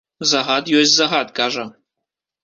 Загад ёсць загад, кажа.